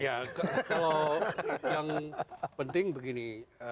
yang penting begini